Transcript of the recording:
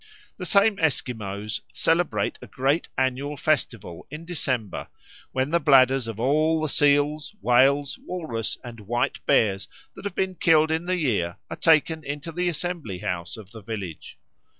These same Esquimaux celebrate a great annual festival in December when the bladders of all the seals, whales, walrus, and white bears that have been killed in the year are taken into the assembly house of the village.